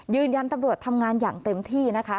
ยืนยันตำรวจทำงานอย่างเต็มที่นะคะ